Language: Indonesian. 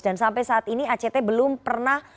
dan sampai saat ini act belum pernah